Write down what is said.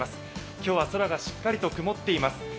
今日は空がしっかりと曇っています。